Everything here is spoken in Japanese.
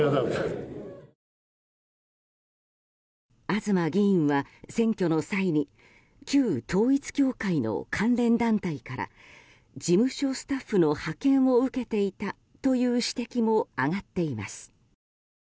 東議員は、選挙の際に旧統一教会の関連団体から事務所スタッフの派遣を受けていたという指摘も上がっています。